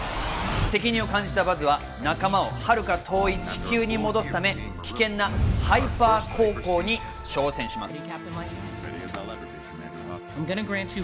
責任を感じたバズは仲間を遥か遠い地球に戻すため、危険なハイパー航行に挑戦します。